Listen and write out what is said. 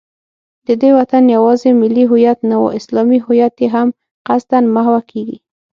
د دې وطن یوازې ملي هویت نه، اسلامي هویت یې هم قصدا محوه کېږي